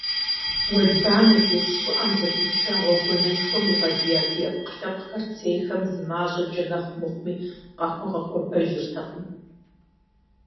Уэлбанэ жэщ щӀыӀэм зэпытча гъуэгуанэшхуэм игъэдия ди Ӏэпкълъэпкъхэр цейхэм зымащӀэкӀэ нэхъ мыхъуми къахуэгъэхуэбэжыртэкъым!